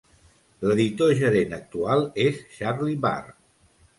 L'editor gerent actual és Charlie Bahr.